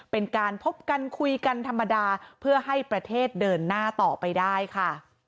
เป็นการพบกันคุยกันธรรมดาเพื่อให้ประเทศเดินหน้าต่อไปได้ค่ะ